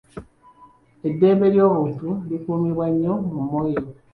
Eddembe ly'obuntu likuumibwa nnyo mu Moyo.